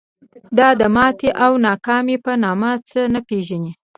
دا د ماتې او ناکامۍ په نامه څه نه پېژني.